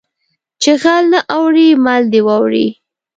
چې غل نه اوړي مال دې واوړي